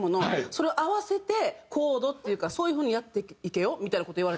それを合わせてコードっていうかそういう風にやっていけよみたいな事言われて。